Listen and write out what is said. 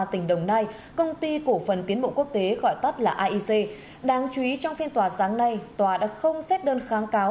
tỉnh đồng nai công ty cổ phần tiến bộ quốc tế gọi tắt là aic đáng chú ý trong phiên tòa sáng nay tòa đã không xét đơn kháng cáo